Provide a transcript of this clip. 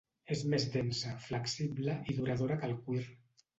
És més densa, flexible i duradora que el cuir.